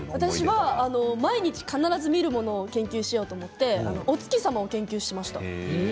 毎日見るものを研究しようと思ってお月様を研究しました。